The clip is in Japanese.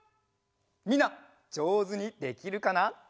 みんなじょうずにできるかな？